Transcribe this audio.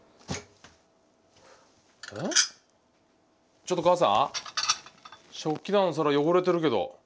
ちょっと母さん食器棚の皿汚れてるけど。